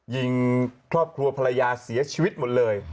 ยิงครอบครัวภรรยาเสียชีวิตหมดเลย